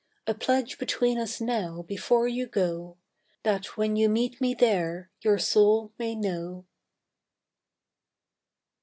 A pledge between us now before you go, That when you meet me there your soul may know!"